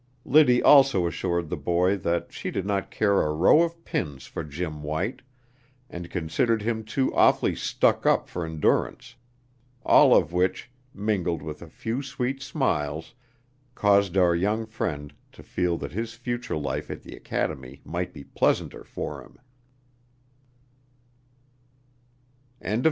Liddy also assured the boy that she did not care a row of pins for Jim White, and considered him too awfully stuck up for endurance, all of which, mingled with a few sweet smiles, caused our young friend to feel that his future life at the academy might be pleasanter for him.